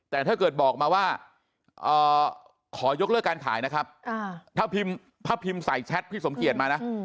แต่ถ้าเกิดบอกมาว่าขอยกเลิกการขายนะครับถ้าพิมพ์ใส่แชทพี่สมเกียจมานะ